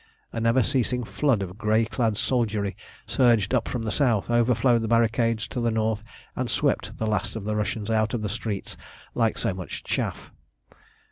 A never ceasing flood of grey clad soldiery surged up from the south, overflowed the barricades to the north, and swept the last of the Russians out of the streets like so much chaff.